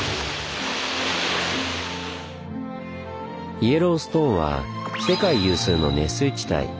イエローストーンは世界有数の熱水地帯。